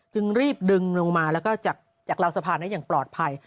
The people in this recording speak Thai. จึงรีบดึงลงมาแล้วก็จากราวสะพานได้อย่างปลอดภัย